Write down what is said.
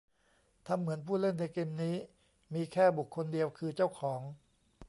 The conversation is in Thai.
ทำเหมือนผู้เล่นในเกมนี้มีแค่บุคคลเดียวคือเจ้าของ